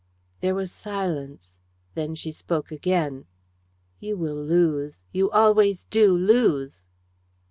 There was silence. Then she spoke again "You will lose. You always do lose!"